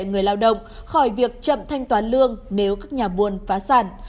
người lao động khỏi việc chậm thanh toán lương nếu các nhà buôn phá sản